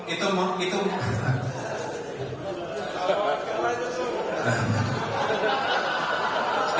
itu mau itu mau